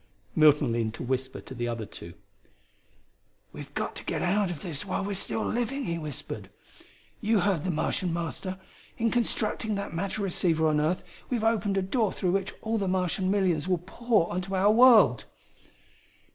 Milton leaned to whisper to the other two: "We've got to get out of this while we're still living," he whispered. "You heard the Martian Master in constructing that matter receiver on earth, we've opened a door through which all the Martian millions will pour onto our world!"